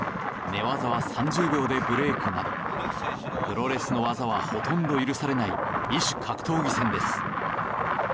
寝技は３０秒でブレークなどプロレスの技はほとんど許されない異種格闘技戦です。